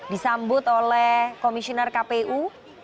disambut oleh komisioner kpu